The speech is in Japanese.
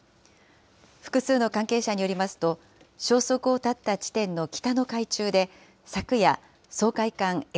複数の関係者によりますと、消息を絶った地点の北の海中で昨夜、掃海艦え